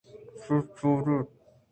شیر ءَ چار اِت